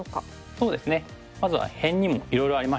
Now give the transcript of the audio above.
そうですねまずは辺にもいろいろありまして。